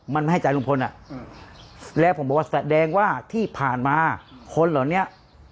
มันไม่ให้ใจลุงพลอ่ะแล้วผมบอกว่าแสดงว่าที่ผ่านมาคนเหล่านี้